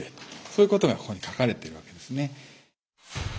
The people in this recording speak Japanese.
そういうことがここに書かれてるわけですね。